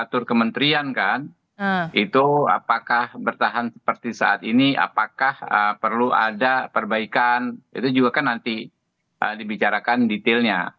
atur kementerian kan itu apakah bertahan seperti saat ini apakah perlu ada perbaikan itu juga kan nanti dibicarakan detailnya